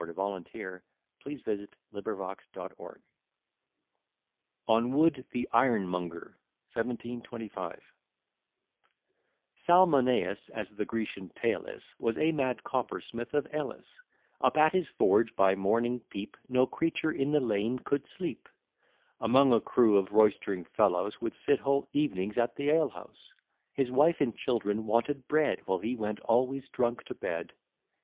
] [Footnote 2: Counterfeit halfpence.] ON WOOD THE IRONMONGER. 1725 Salmoneus, as the Grecian tale is, Was a mad coppersmith of Elis: Up at his forge by morning peep, No creature in the lane could sleep; Among a crew of roystering fellows Would sit whole evenings at the alehouse; His wife and children wanted bread, While he went always drunk to bed.